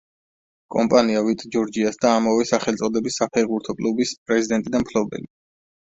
კომპანია ვიტ ჯორჯიას და ამავე სახელწოდების საფეხბურთო კლუბის პრეზიდენტი და მფლობელი.